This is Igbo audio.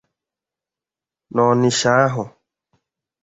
n'Ọnịshà ahụ.